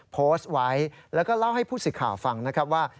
โพสต์ไว้แล้วก็เล่าให้ผู้สื่อข่าวฟังนะครับว่า